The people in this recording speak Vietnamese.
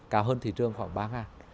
cao hơn thị trường khoảng ba